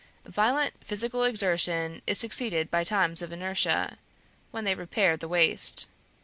Violent physical exertion is succeeded by times of inertia, when they repair the waste.